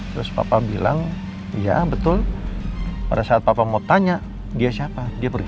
terus papa bilang ya betul pada saat papa mau tanya dia siapa dia pergi